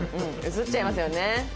移っちゃいますよね。